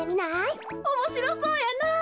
おもしろそうやなあ。